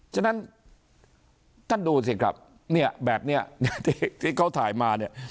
ฉะนั้นท่านดูสิครับเนี่ยแบบนี้ที่เขาถ่ายมาเนี่ย